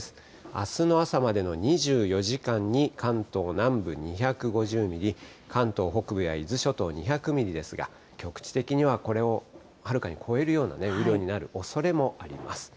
あすの朝までの２４時間に関東南部２５０ミリ、関東北部や伊豆諸島２００ミリですが、局地的にはこれをはるかに超えるような雨量になるおそれもあります。